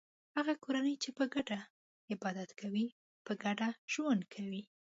هغه کورنۍ چې په ګډه عبادت کوي په ګډه ژوند کوي.